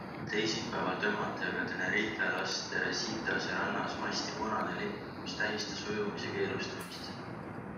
Teisipäeval tõmmati aga Tenerife Las Teresitase rannas masti punane lipp, mis tähistas ujumise keelustamist.